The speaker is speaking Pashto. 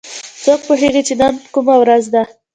څوک پوهیږي چې نن کومه ورځ ده